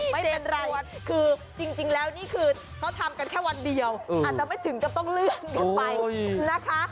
ไม่เป็นไรคือจริงแล้วนี่คือเขาทำกันแค่วันเดียวอาจจะไม่ถึงกับต้องเลื่อนกันไปนะคะ